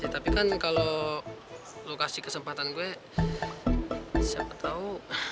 tapi kan kalo lo kasih kesempatan gue siapa tau